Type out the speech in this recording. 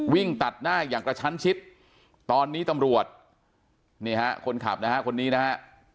วิ่งตัดหน้าอย่างกระชั้นชิดตอนนี้ตำรวจนี่ฮะคนขับนะฮะคนนี้นะฮะ